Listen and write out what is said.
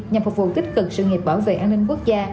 nhằm phục vụ tích cực sự nghiệp bảo vệ an ninh quốc gia